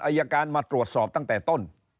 อายการมาตรวจสอบตั้งแต่ต้น